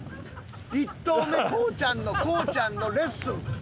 １投目コウちゃんのコウちゃんのレッスン。